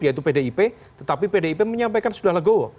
yaitu pdip tetapi pdip menyampaikan sudah lah go